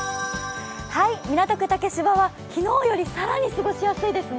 港区竹芝は昨日より更に過ごしやすいですね。